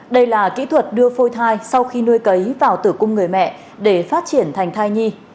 đây là kỹ thuật đưa phôi thai sau khi nuôi cấy vào tử cung người mẹ để phát triển thành thai nhi